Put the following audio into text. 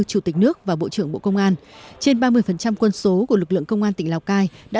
chủ tịch nước và bộ trưởng bộ công an trên ba mươi quân số của lực lượng công an tỉnh lào cai đã